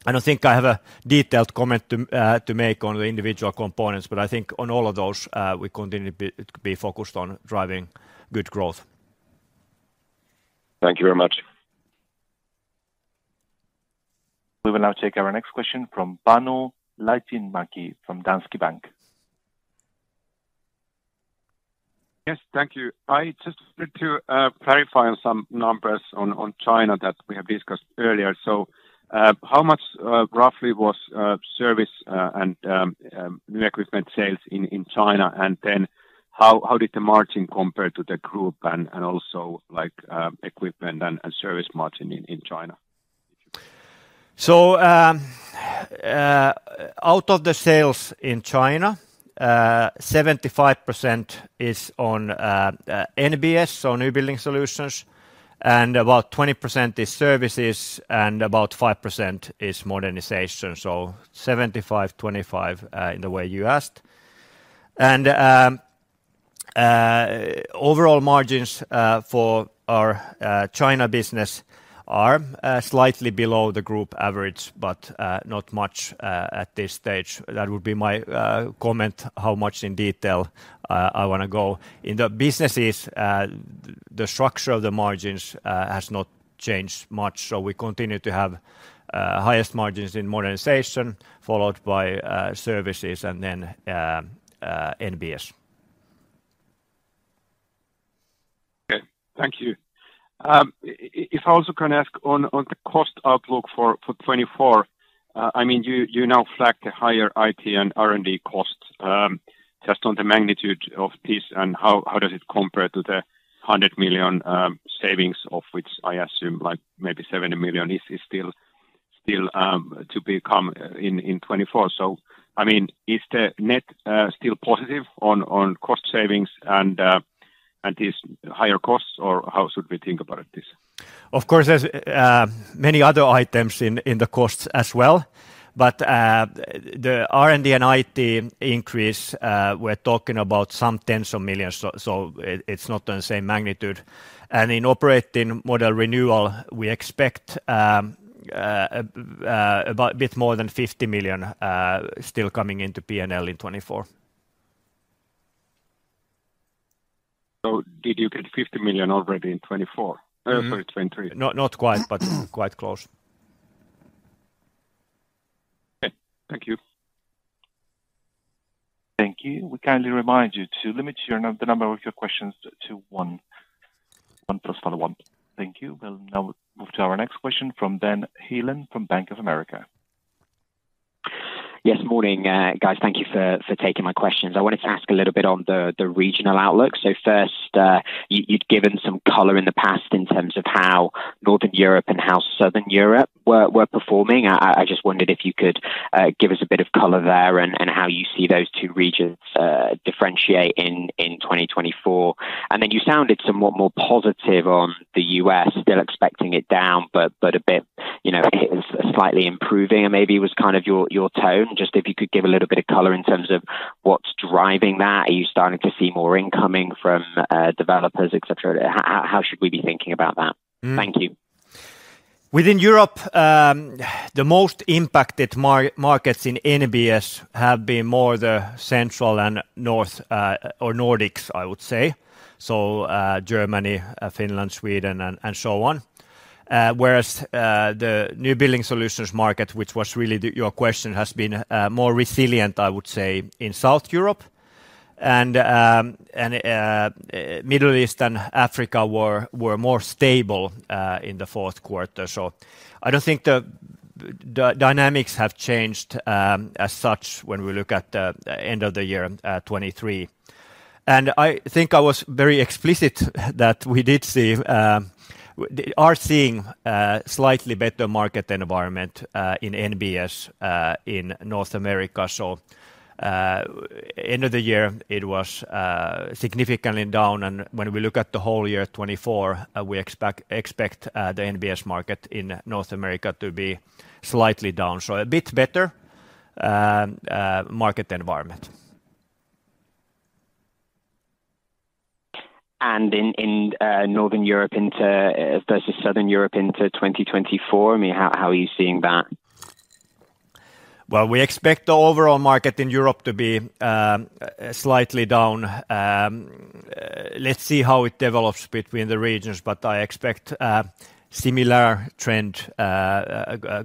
I don't think I have a detailed comment to make on the individual components. But I think on all of those, we continue to be focused on driving good growth. Thank you very much. We will now take our next question from Panu Laitinmäki from Danske Bank. Yes. Thank you. I just wanted to clarify on some numbers on China that we have discussed earlier. So how much roughly was service and new equipment sales in China? And then how did the margin compare to the group and also equipment and service margin in China? So out of the sales in China, 75% is on NBS, so New Building Solutions. And about 20% is Services. And about 5% is Modernization. So 75/25 in the way you asked. And overall margins for our China business are slightly below the group average but not much at this stage. That would be my comment, how much in detail I want to go. In the businesses, the structure of the margins has not changed much. So we continue to have highest margins in Modernization, followed by Services and then NBS. Okay. Thank you. If I also can ask on the cost outlook for 2024, I mean, you now flagged a higher IT and R&D cost just on the magnitude of this. And how does it compare to the 100 million savings, of which I assume maybe 70 million is still to become in 2024? So I mean, is the net still positive on cost savings and these higher costs? Or how should we think about this? Of course, there's many other items in the costs as well. The R&D and IT increase, we're talking about some tens of millions EUR. It's not on the same magnitude. In operating model renewal, we expect a bit more than 50 million still coming into P&L in 2024. So did you get 50 million already in 2024? Sorry, 2023. Not quite, but quite close. Okay. Thank you. Thank you. We kindly remind you to limit the number of your questions to one plus follow one. Thank you. We'll now move to our next question from Ben Healan from Bank of America. Yes. Morning, guys. Thank you for taking my questions. I wanted to ask a little bit on the regional outlook. So first, you'd given some color in the past in terms of how Northern Europe and how Southern Europe were performing. I just wondered if you could give us a bit of color there and how you see those two regions differentiate in 2024. And then you sounded somewhat more positive on the U.S., still expecting it down but a bit slightly improving. And maybe it was kind of your tone. Just if you could give a little bit of color in terms of what's driving that. Are you starting to see more incoming from developers, etc.? How should we be thinking about that? Thank you. Within Europe, the most impacted markets in NBS have been more the central and north or Nordics, I would say. So Germany, Finland, Sweden, and so on. Whereas the New Building Solutions market, which was really your question, has been more resilient, I would say, in South Europe. And Middle East and Africa were more stable in the fourth quarter. So I don't think the dynamics have changed as such when we look at the end of the year 2023. And I think I was very explicit that we are seeing a slightly better market environment in NBS in North America. So end of the year, it was significantly down. And when we look at the whole year 2024, we expect the NBS market in North America to be slightly down. So a bit better market environment. In Northern Europe versus Southern Europe into 2024, I mean, how are you seeing that? Well, we expect the overall market in Europe to be slightly down. Let's see how it develops between the regions. But I expect a similar trend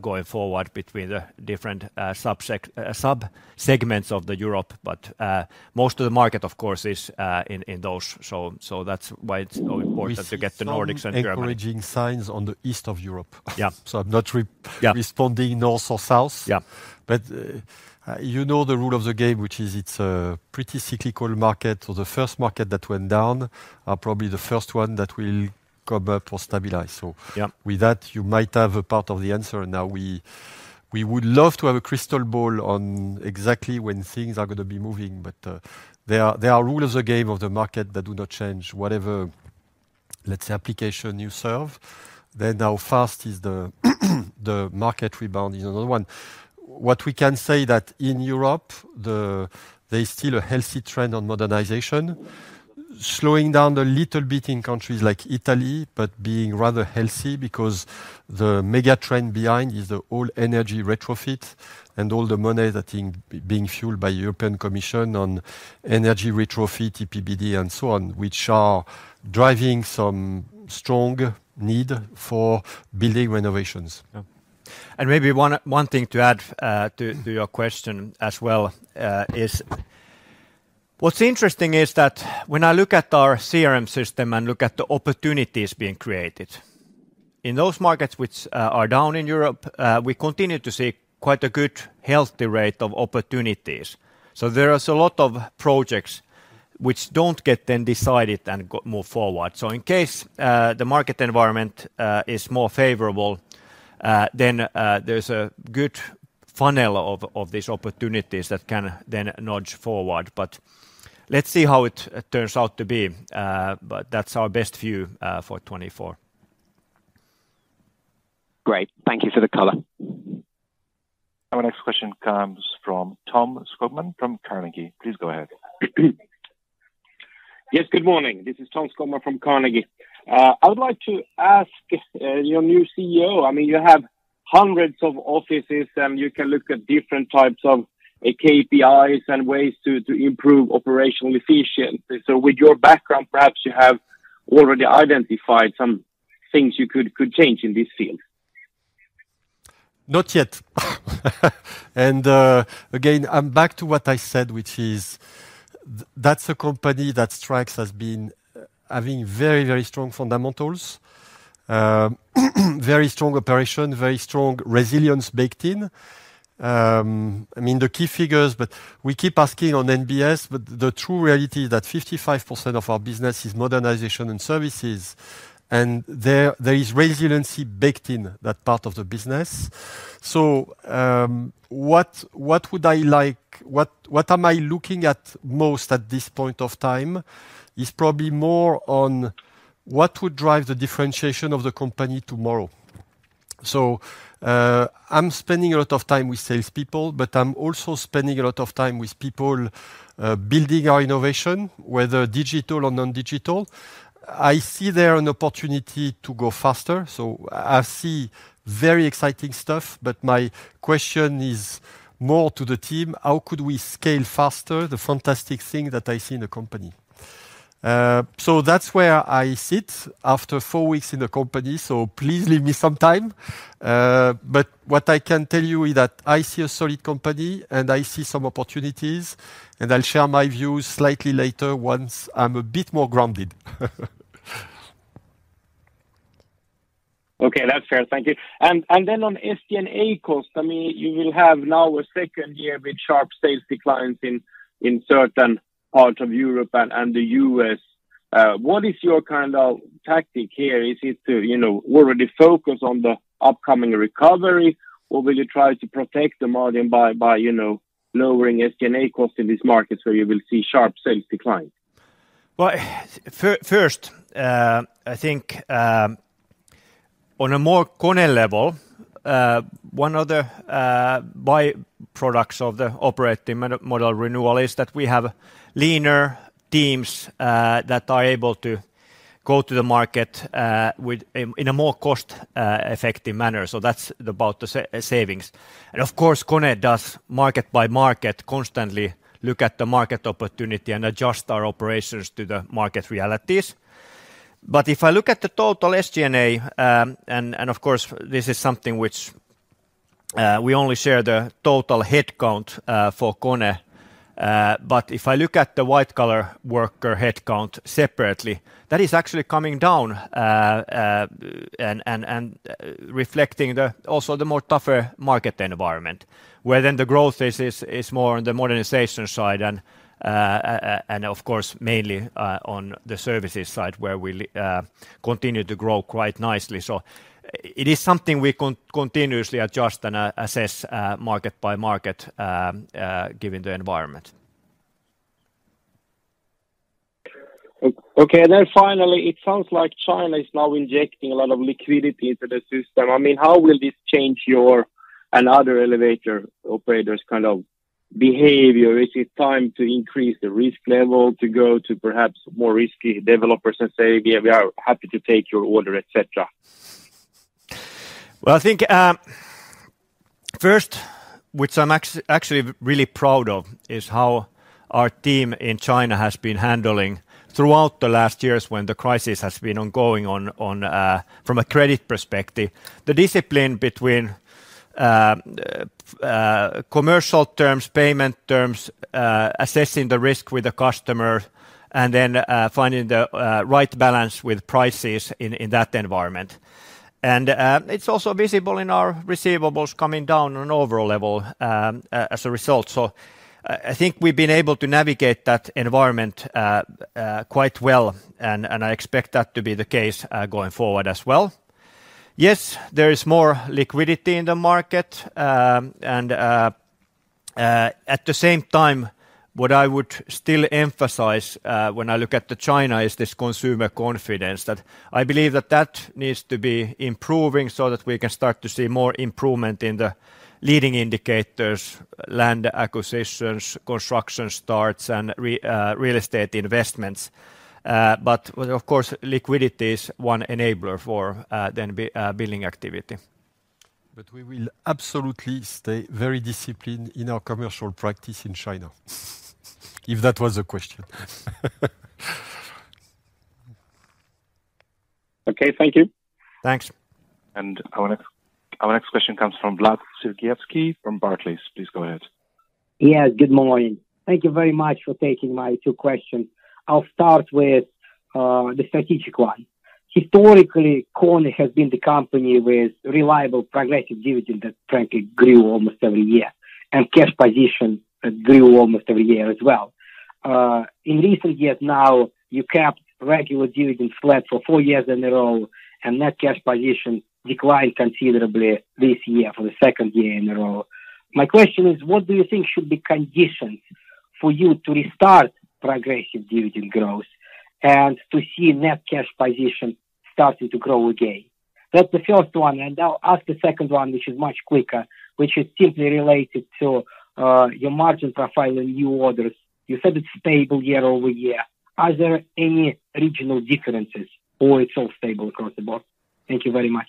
going forward between the different subsegments of Europe. But most of the market, of course, is in those. So that's why it's so important to get the Nordics and Germany. Encouraging signs on the east of Europe. So I'm not responding north or south. But you know the rule of the game, which is it's a pretty cyclical market. So the first market that went down are probably the first one that will come up or stabilize. So with that, you might have a part of the answer. Now, we would love to have a crystal ball on exactly when things are going to be moving. But there are rules of the game of the market that do not change. Whatever, let's say, application you serve, then how fast is the market rebound is another one. What we can say is that in Europe, there is still a healthy trend on modernization, slowing down a little bit in countries like Italy but being rather healthy because the megatrend behind is the whole energy retrofit and all the money, I think, being fueled by the European Commission on energy retrofit, EPBD, and so on, which are driving some strong need for building renovations. Maybe one thing to add to your question as well is what's interesting is that when I look at our CRM system and look at the opportunities being created, in those markets which are down in Europe, we continue to see quite a good, healthy rate of opportunities. So there are a lot of projects which don't get then decided and move forward. So in case the market environment is more favorable, then there's a good funnel of these opportunities that can then nudge forward. But let's see how it turns out to be. But that's our best view for 2024. Great. Thank you for the color. Our next question comes from Tom Skogman from Carnegie. Please go ahead. Yes. Good morning. This is Tom Skogman from Carnegie. I would like to ask your new CEO. I mean, you have hundreds of offices. And you can look at different types of KPIs and ways to improve operational efficiency. So with your background, perhaps you have already identified some things you could change in this field. Not yet. Again, I'm back to what I said, which is that's a company that has been having very, very strong fundamentals, very strong operation, very strong resilience baked in. I mean, the key figures, but we keep asking on NBS. The true reality is that 55% of our business is modernization and services. There is resiliency baked in, that part of the business. What would I like, what am I looking at most at this point of time is probably more on what would drive the differentiation of the company tomorrow. I'm spending a lot of time with salespeople. I'm also spending a lot of time with people building our innovation, whether digital or non-digital. I see there an opportunity to go faster. So I see very exciting stuff. But my question is more to the team, how could we scale faster, the fantastic thing that I see in the company? So that's where I sit after four weeks in the company. So please leave me some time. But what I can tell you is that I see a solid company. And I see some opportunities. And I'll share my views slightly later once I'm a bit more grounded. Okay. That's fair. Thank you. And then on SG&A cost, I mean, you will have now a second year with sharp sales declines in certain parts of Europe and the U.S. What is your kind of tactic here? Is it to already focus on the upcoming recovery? Or will you try to protect the margin by lowering SG&A cost in these markets where you will see sharp sales declines? Well, first, I think on a more KONE level, one of the byproducts of the operating model renewal is that we have leaner teams that are able to go to the market in a more cost-effective manner. So that's about the savings. And of course, KONE does market by market, constantly look at the market opportunity and adjust our operations to the market realities. But if I look at the total SG&A and of course, this is something which we only share the total headcount for KONE. But if I look at the white-collar worker headcount separately, that is actually coming down and reflecting also the more tougher market environment where then the growth is more on the modernization side and of course, mainly on the services side where we continue to grow quite nicely. So it is something we continuously adjust and assess market by market given the environment. Okay. And then finally, it sounds like China is now injecting a lot of liquidity into the system. I mean, how will this change your and other elevator operators' kind of behavior? Is it time to increase the risk level, to go to perhaps more risky developers and say, "We are happy to take your order," etc.? Well, I think first, which I'm actually really proud of, is how our team in China has been handling throughout the last years when the crisis has been ongoing from a credit perspective, the discipline between commercial terms, payment terms, assessing the risk with the customer, and then finding the right balance with prices in that environment. And it's also visible in our receivables coming down on overall level as a result. So I think we've been able to navigate that environment quite well. And I expect that to be the case going forward as well. Yes, there is more liquidity in the market. At the same time, what I would still emphasize when I look at China is this consumer confidence that I believe that that needs to be improving so that we can start to see more improvement in the leading indicators: land acquisitions, construction starts, and real estate investments. But of course, liquidity is one enabler for then building activity. But we will absolutely stay very disciplined in our commercial practice in China, if that was the question. Okay. Thank you. Thanks. Our next question comes from Vlad Sergievskiy from Barclays. Please go ahead. Yeah. Good morning. Thank you very much for taking my two questions. I'll start with the strategic one. Historically, KONE has been the company with reliable, progressive dividends that frankly grew almost every year and cash position that grew almost every year as well. In recent years now, you kept regular dividends flat for four years in a row. And net cash position declined considerably this year for the second year in a row. My question is, what do you think should be conditions for you to restart progressive dividend growth and to see net cash position starting to grow again? That's the first one. And I'll ask the second one, which is much quicker, which is simply related to your margin profile and new orders. You said it's stable year-over-year. Are there any regional differences? Or it's all stable across the board? Thank you very much.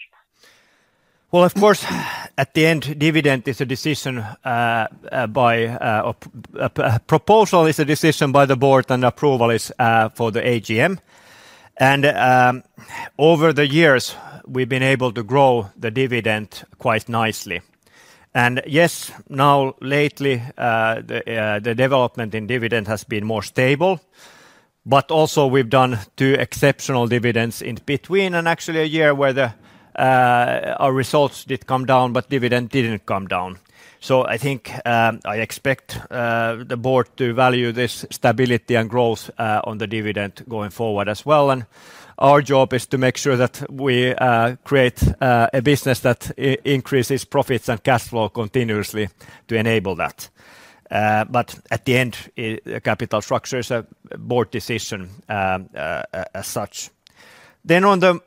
Well, of course, at the end, dividend is a decision by a proposal is a decision by the board. And approval is for the AGM. And over the years, we've been able to grow the dividend quite nicely. And yes, now lately, the development in dividend has been more stable. But also, we've done two exceptional dividends in between and actually a year where our results did come down, but dividend didn't come down. So I think I expect the board to value this stability and growth on the dividend going forward as well. And our job is to make sure that we create a business that increases profits and cash flow continuously to enable that. But at the end, the capital structure is a board decision as such. Then on the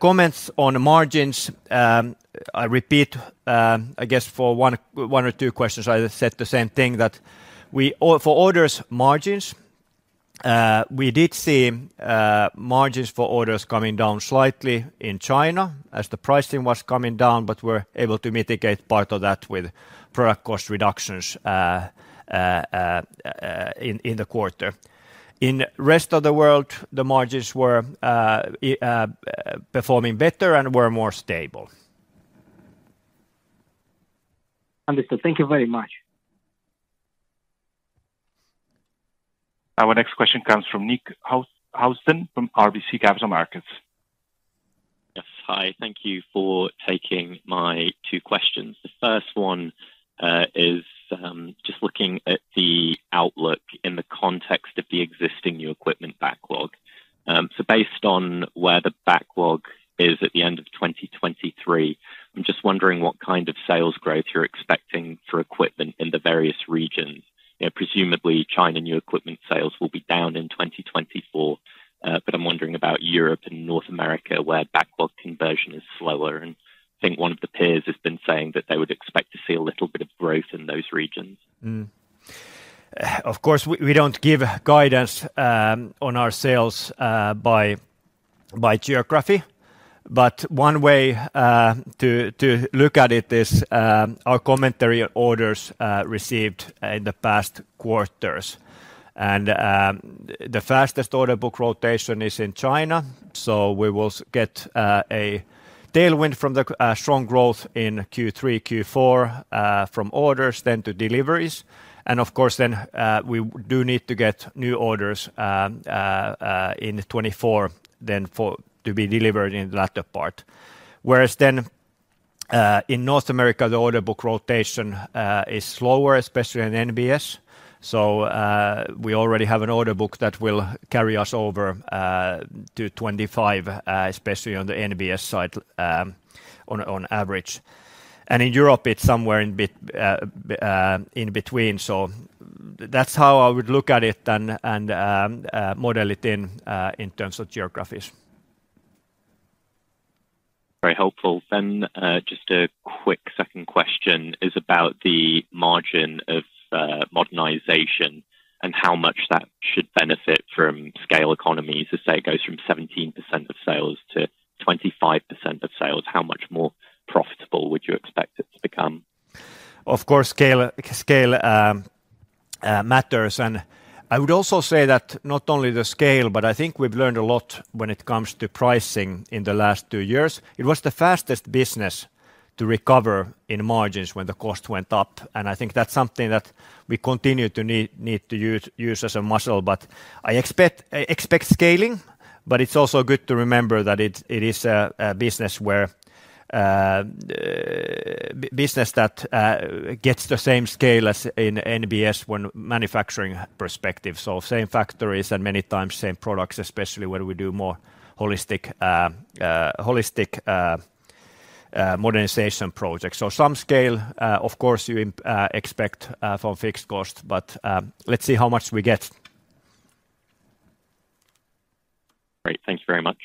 comments on margins, I repeat, I guess, for one or two questions, I said the same thing that for orders margins, we did see margins for orders coming down slightly in China as the pricing was coming down. But we're able to mitigate part of that with product cost reductions in the quarter. In the rest of the world, the margins were performing better and were more stable. Understood. Thank you very much. Our next question comes from Nick Housden from RBC Capital Markets. Yes. Hi. Thank you for taking my two questions. The first one is just looking at the outlook in the context of the existing new equipment backlog. So based on where the backlog is at the end of 2023, I'm just wondering what kind of sales growth you're expecting for equipment in the various regions. Presumably, China new equipment sales will be down in 2024. But I'm wondering about Europe and North America where backlog conversion is slower. And I think one of the peers has been saying that they would expect to see a little bit of growth in those regions. Of course, we don't give guidance on our sales by geography. But one way to look at it is our commentary on orders received in the past quarters. And the fastest order book rotation is in China. So we will get a tailwind from the strong growth in Q3, Q4 from orders then to deliveries. And of course, then we do need to get new orders in 2024 then to be delivered in that part. Whereas then in North America, the order book rotation is slower, especially in NBS. So we already have an order book that will carry us over to 2025, especially on the NBS side on average. And in Europe, it's somewhere in between. So that's how I would look at it and model it in terms of geographies. Very helpful. Then just a quick second question is about the margin of modernization and how much that should benefit from scale economies. Let's say it goes from 17%-25% of sales. How much more profitable would you expect it to become? Of course, scale matters. I would also say that not only the scale, but I think we've learned a lot when it comes to pricing in the last two years. It was the fastest business to recover in margins when the cost went up. I think that's something that we continue to need to use as a muscle. I expect scaling. It's also good to remember that it is a business that gets the same scale as in NBS when manufacturing perspective. So same factories and many times same products, especially where we do more holistic modernization projects. So some scale, of course, you expect from fixed costs. Let's see how much we get. Great. Thanks very much.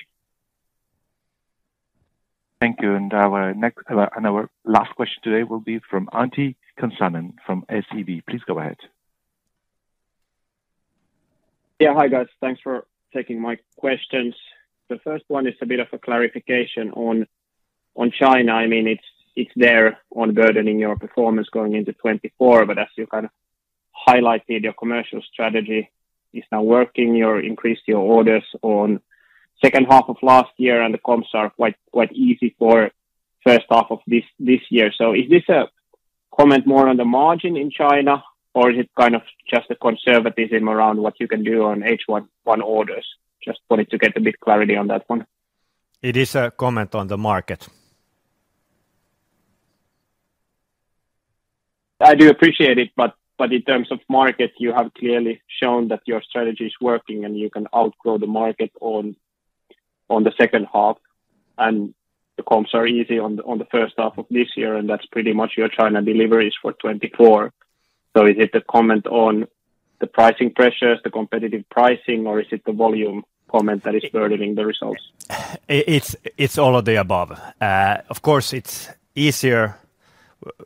Thank you. Our last question today will be from Antti Kansanen from SEB. Please go ahead. Yeah. Hi, guys. Thanks for taking my questions. The first one is a bit of a clarification on China. I mean, it's there on burdening your performance going into 2024. But as you kind of highlighted, your commercial strategy is now working. You increased your orders on the second half of last year. And the comps are quite easy for the first half of this year. So is this a comment more on the margin in China? Or is it kind of just the conservatism around what you can do on H1 orders? Just wanted to get a bit clarity on that one. It is a comment on the market. I do appreciate it. But in terms of market, you have clearly shown that your strategy is working. And you can outgrow the market on the second half. And the comps are easy on the first half of this year. And that's pretty much your China deliveries for 2024. So is it a comment on the pricing pressures, the competitive pricing? Or is it the volume comment that is burdening the results? It's all of the above. Of course, it's easier.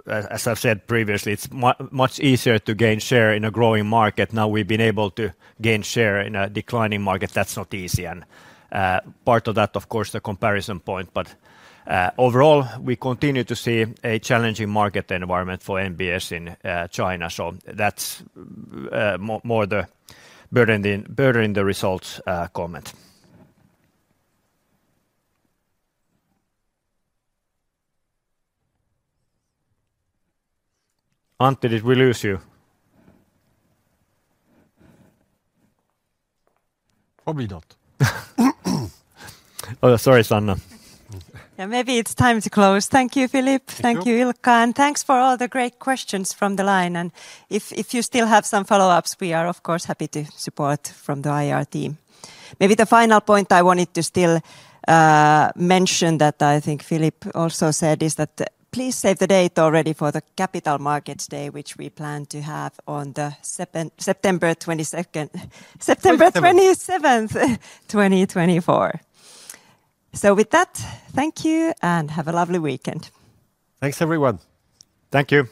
As I've said previously, it's much easier to gain share in a growing market. Now, we've been able to gain share in a declining market. That's not easy. And part of that, of course, is the comparison point. But overall, we continue to see a challenging market environment for NBS in China. So that's more the burdening the results comment. Antti, did we lose you? Probably not. Oh, sorry, Sanna. Yeah. Maybe it's time to close. Thank you, Philippe. Thank you, Ilkka. And thanks for all the great questions from the line. And if you still have some follow-ups, we are, of course, happy to support from the IR team. Maybe the final point I wanted to still mention that I think Philippe also said is that please save the date already for the Capital Markets Day, which we plan to have on September 27th, 2024. So with that, thank you. And have a lovely weekend. Thanks, everyone. Thank you.